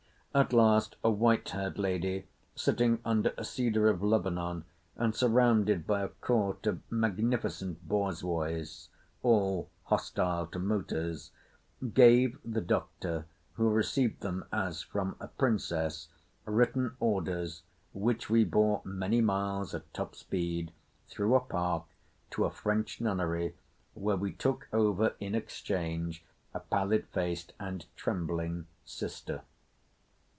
At last a white haired lady sitting under a cedar of Lebanon and surrounded by a court of magnificent Borzois—all hostile to motors—gave the Doctor, who received them as from a princess, written orders which we bore many miles at top speed, through a park, to a French nunnery, where we took over in exchange a pallid faced and trembling Sister.